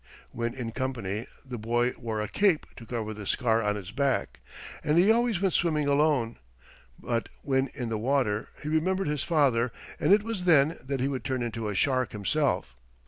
When in company, the boy wore a cape to cover the scar on his back, and he always went swimming alone, but when in the water he remembered his father, and it was then that he would turn into a shark himself.